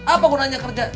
apa gunanya kerja